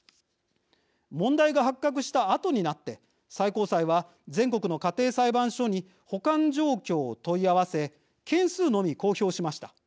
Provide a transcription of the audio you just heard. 問題が発覚したあとになって最高裁は全国の家庭裁判所に保管状況を問い合わせ件数のみ公表しました。